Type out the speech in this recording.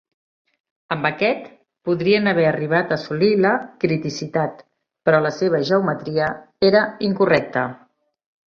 Amb aquest podrien haver arribat a assolir la criticitat, però la seva geometria era incorrecta.